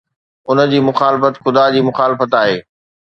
ان جي مخالفت خدا جي مخالفت آهي.